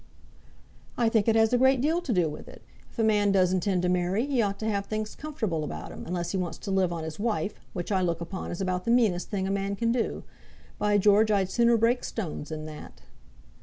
"I think it has a great deal to do with it. If a man does intend to marry he ought to have things comfortable about him; unless he wants to live on his wife, which I look upon as about the meanest thing a man can do. By George, I'd sooner break stones than that."